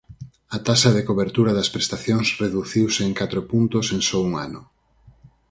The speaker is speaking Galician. A taxa de cobertura das prestacións reduciuse en catro puntos en só un ano.